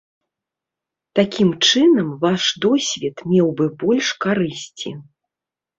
Такім чынам ваш досвед меў бы больш карысці.